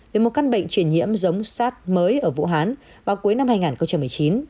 về một căn bệnh truyền nhiễm giống sars mới ở vũ hán vào cuối năm hai nghìn một mươi chín